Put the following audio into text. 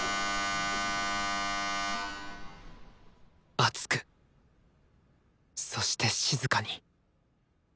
熱くそして静かに。